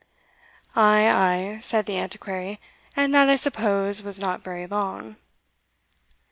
"Ay, ay," said the Antiquary; "and that, I suppose, was not very long."